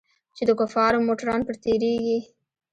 چې د کفارو موټران پر تېرېږي.